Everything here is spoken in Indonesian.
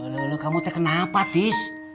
lalu kamu kenapa tis